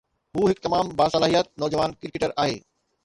هو هڪ تمام باصلاحيت نوجوان ڪرڪيٽر آهي